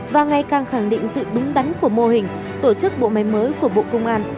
và ngày càng khẳng định sự đúng đắn của mô hình tổ chức bộ máy mới của bộ công an